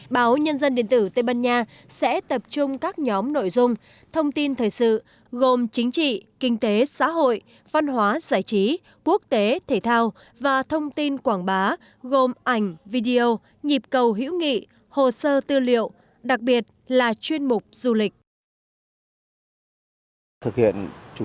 báo nhân dân điện tử tây ban nha sẽ tập trung các nhóm nội dung thông tin thời sự gồm chính trị kinh tế xã hội văn hóa giải trí quốc tế thể thao và thông tin quảng bá gồm ảnh video nhịp cầu hữu nghị hồ sơ tư liệu đặc biệt là chuyên mục du lịch